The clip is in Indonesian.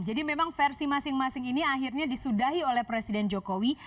jadi memang versi masing masing ini akhirnya disudahi oleh presiden jokowi